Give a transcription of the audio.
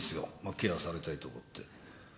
ケアされたいと思って。